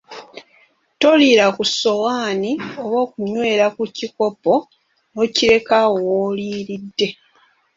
Toliira ku sowaani oba okunywera ku kikopo n‘okireka awo w‘oliiridde.